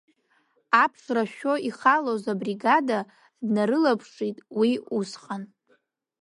Аԥш рашәо ихалоз абригада днарылаԥшит уи усҟан.